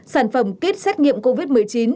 sản phẩm kích xét nghiệm covid một mươi chín